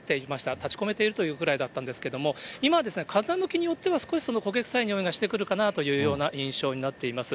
立ちこめているというぐらいだったんですけれども、今ですね、風向きによっては少しその焦げ臭いにおいがしてくるかなというような印象になっています。